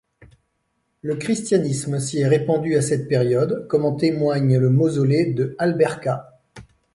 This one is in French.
Le christianisme s'y est répandu à cette période, comme en témoigne le Mausolée de Alberca.